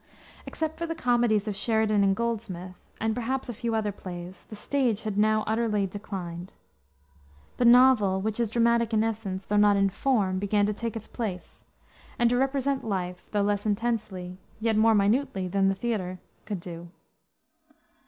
Except for the comedies of Sheridan and Goldsmith, and, perhaps, a few other plays, the stage had now utterly declined. The novel, which is dramatic in essence, though not in form, began to take its place, and to represent life, though less intensely, yet more minutely, than the theater could do.